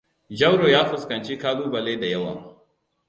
Jauro ya fuskanci kalubale da yawa.